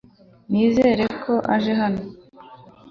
nizera ko aje hano